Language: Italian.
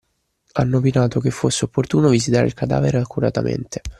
Hanno opinato che fosse opportuno visitare il cadavere accuratamente